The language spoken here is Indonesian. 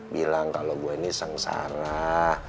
bilang kalau gue ini sengsara